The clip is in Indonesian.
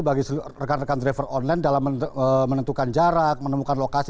bagi rekan rekan driver online dalam menentukan jarak menemukan lokasi